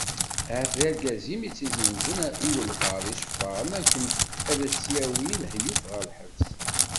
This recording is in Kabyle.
Ahat d argaz-im i tt-yezzenzen i wabɛaḍ iceffaren akken ad as-yettawi lahyuf ɣer lḥebs.